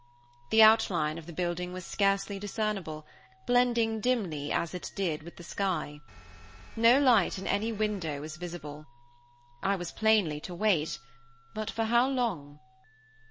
The outline of the building was scarcely discernible, blending dimly, as it did, with the sky. No light in any window was visible. I was plainly to wait; but for how long?